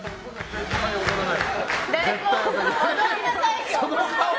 絶対に踊らない。